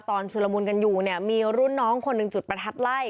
ชุลมุนกันอยู่เนี่ยมีรุ่นน้องคนหนึ่งจุดประทัดไล่